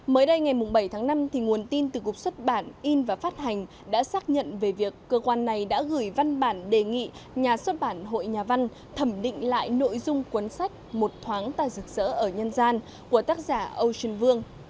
mới đây ngày bảy tháng năm nguồn tin từ cục xuất bản in và phát hành đã xác nhận về việc cơ quan này đã gửi văn bản đề nghị nhà xuất bản hội nhà văn thẩm định lại nội dung cuốn sách một thoáng tà rực rỡ ở nhân gian của tác giả ocean vung